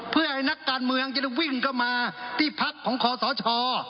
เพื่อให้นักการเมืองจะได้วิ่งเข้ามาที่พักของคอสช